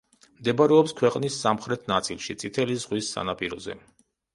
მდებარეობს ქვეყნის სამხრეთ ნაწილში, წითელი ზღვის სანაპიროზე.